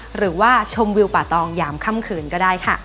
หรือว่าชมวิวป่าตองยามค่ำคืนก็ได้ค่ะ